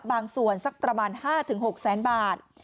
บางส่วนสักประมาณ๕๖แสนบาท